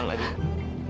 enggak kembar pun